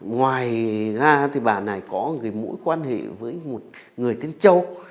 ngoài ra thì bà này có mũi quan hệ với một người tên châu